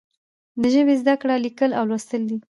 د ژبې زده کړه لیکل او لوستل دي.